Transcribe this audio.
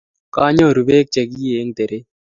Kanyoru pek chekiey eng' teret